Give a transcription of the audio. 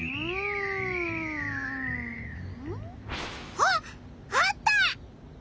あっあった！